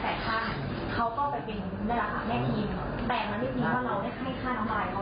เขาก็แบบเป็นแม่ทีมแต่มันไม่มีว่าเราได้ให้ค่าน้ำลายเขานะครับ